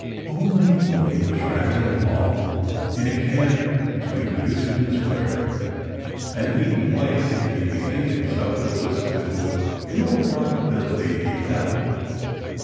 Only when he was rattling along in a cab between Euston square and Eaton place did he bethink himself that Elizabeth would, in all probability, be out.